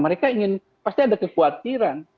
mereka ingin pasti ada kekhawatiran